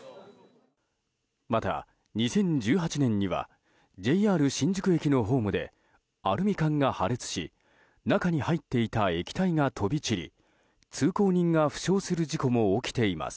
また２０１８年にはＪＲ新宿駅のホームでアルミ缶が破裂し中に入っていた液体が飛び散り通行人が負傷する事故も起きています。